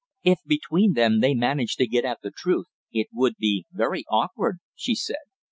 "If between them they managed to get at the truth it would be very awkward," she said.